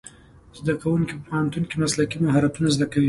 زدهکوونکي په پوهنتون کې مسلکي مهارتونه زده کوي.